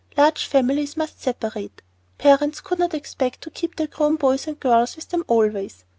Large families must separate, parents could not expect to keep their grown boys and girls with them always.